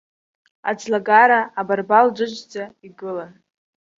Аӡлагара абарбал џыџӡа игылан.